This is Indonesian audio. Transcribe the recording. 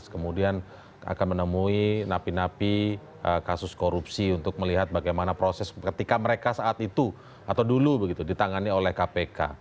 kemudian akan menemui napi napi kasus korupsi untuk melihat bagaimana proses ketika mereka saat itu atau dulu begitu ditangani oleh kpk